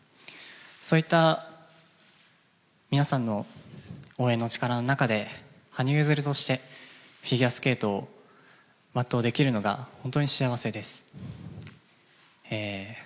そういった皆さんの応援の力の中で、羽生結弦として、フィギュアスケートを全うできるのが本当に幸せです。